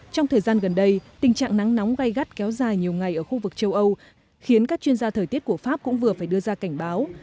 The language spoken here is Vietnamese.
trong thời gian gần đây tình trạng nắng nóng gai gắt kéo dài nhiều ngày ở khu vực châu âu khiến các chuyên gia thời tiết của pháp cũng vừa phải đưa ra cảnh báo